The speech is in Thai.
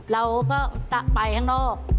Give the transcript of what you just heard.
เราก็จะไปข้างนอก